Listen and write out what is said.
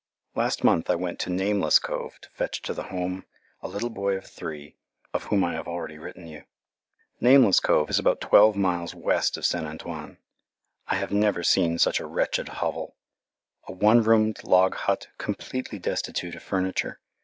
Last month I went to Nameless Cove to fetch to the Home a little boy of three, of whom I have already written you. Nameless Cove is about twelve miles west of St. Antoine. I have never seen such a wretched hovel a one roomed log hut, completely destitute of furniture.